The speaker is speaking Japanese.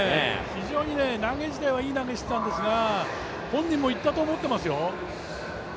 非常に投げ自体はいい投げしていたんですが、本人もいったと思っていますよ。